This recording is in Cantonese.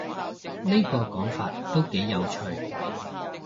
呢個講法都幾有趣